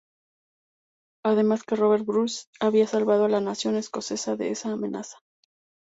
Además, que Robert Bruce había salvado a la nación escocesa de esta amenaza.